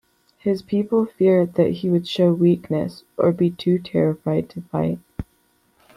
His people feared that he would show weakness or be too terrified to fight.